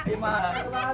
terima kasih pak